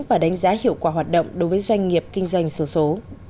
và đánh giá hiệu quả hoạt động đối với doanh nghiệp kinh doanh số số